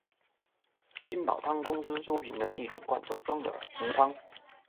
金宝汤公司出品的一种罐头装的浓汤。